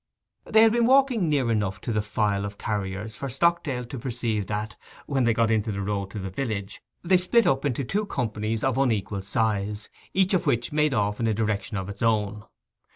They had been walking near enough to the file of carriers for Stockdale to perceive that, when they got into the road to the village, they split up into two companies of unequal size, each of which made off in a direction of its own.